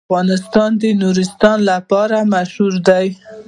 افغانستان د نورستان لپاره مشهور دی.